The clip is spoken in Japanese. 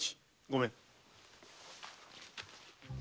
ごめん。